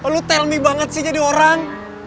lu tell me banget sih jadi orang